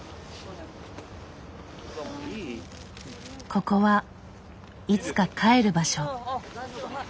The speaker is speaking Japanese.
ここはいつか帰る場所。